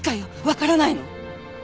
わからないの？